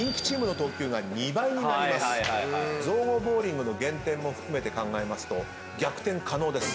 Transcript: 造語ボウリングの減点も含めて考えますと逆転可能です。